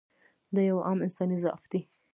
دا یو عام انساني ضعف دی.